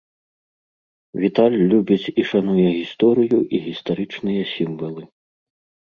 Віталь любіць і шануе гісторыю і гістарычныя сімвалы.